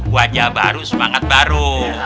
wajah baru semangat baru